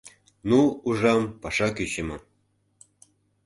Ну, ужам, паша кӱчымӧ.